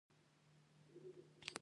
فرض کړئ په ټولنه کې بوټان کم دي